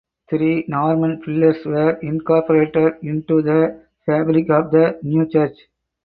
Three Norman pillars were incorporated into the fabric of the new church.